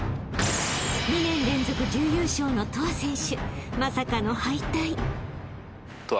［２年連続準優勝のＴＯＡ選手まさかの］